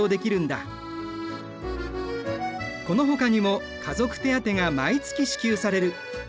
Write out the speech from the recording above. このほかにも家族手当が毎月支給される。